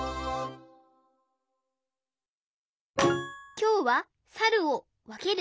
きょうはサルをわける！